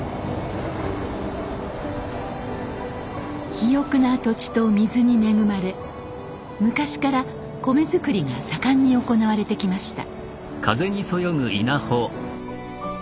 肥沃な土地と水に恵まれ昔から米作りが盛んに行われてきました。